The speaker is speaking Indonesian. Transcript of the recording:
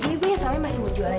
jadi bu suami masih mau jualan jamu